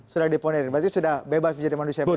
sudah deponering berarti sudah bebas menjadi manusia yang bebas